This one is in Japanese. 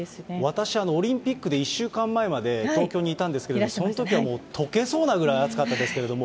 私、オリンピックで１週間前まで東京にいたんですけれど、そのときはもう、溶けそうなくらい暑かったですけれども。